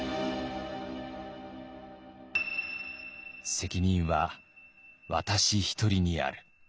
「責任は私一人にある」。